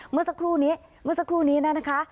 เมื่อสักครู่นี้เมื่อสักครู่นี้นะคะ